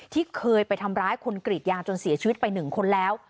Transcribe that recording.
ที่เคยไปทำร้ายคนกรีดยางจนเสียชีวิตไป๑คนแล้ว